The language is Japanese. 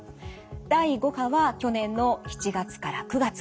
第５波は去年の７月から９月。